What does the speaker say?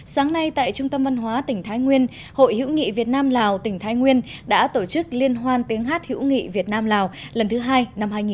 sáng nay tại trung tâm văn hóa tỉnh thái nguyên hội hữu nghị việt nam lào tỉnh thái nguyên đã tổ chức liên hoan tiếng hát hữu nghị việt nam lào lần thứ hai năm hai nghìn một mươi chín